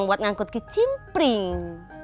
buat ngangkut kicim pering